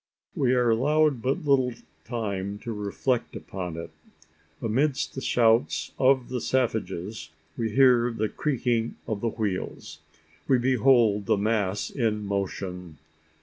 We are allowed but little time to reflect upon it. Amidst the shouts of the savages, we hear the creaking of the wheels; we behold the mass in motion!